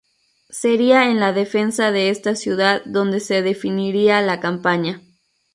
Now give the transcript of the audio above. Sería en la defensa de esta ciudad donde se definiría la campaña.